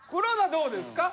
どうですか？